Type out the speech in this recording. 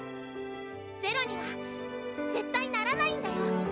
０には絶対ならないんだよ。